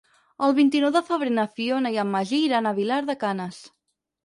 El vint-i-nou de febrer na Fiona i en Magí iran a Vilar de Canes.